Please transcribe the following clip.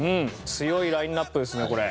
強いラインアップですねこれ。